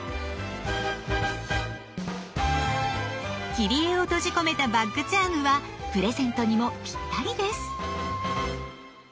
切り絵を閉じ込めたバッグチャームはプレゼントにもぴったりです。